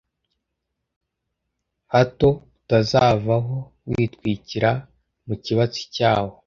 hato utazavaho witwikira mu kibatsi cyawo